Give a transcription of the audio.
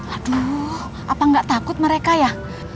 aduh apa nggak takut mereka ya